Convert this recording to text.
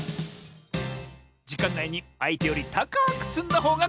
じかんないにあいてよりたかくつんだほうがかちサボよ！